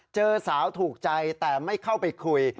เจอสาวถูกใจแต่ไม่เข้าไปคุย